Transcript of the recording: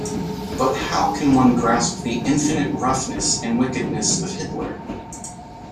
But how can one grasp the infinite roughness and wickedness of Hitler?